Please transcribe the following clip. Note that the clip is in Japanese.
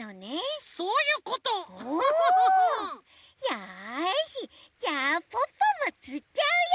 よしじゃあポッポもつっちゃうよ！